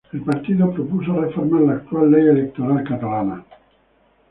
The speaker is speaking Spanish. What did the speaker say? El partido propuso reformar la actual ley electoral catalana.